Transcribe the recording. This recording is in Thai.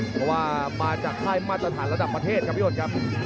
เพราะว่ามาจากค่ายมาตรฐานระดับประเทศครับพี่อ้นครับ